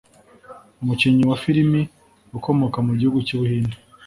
umukinnyi w’amafilimi ukomoka mu gihugu cy’u Buhinde